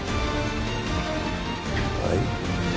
はい？